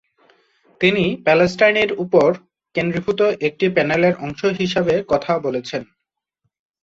তিনি প্যালেস্টাইনের উপর কেন্দ্রীভূত একটি প্যানেলের অংশ হিসাবে কথা বলেছেন।